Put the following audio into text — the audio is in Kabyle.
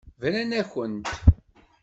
Bran-akent.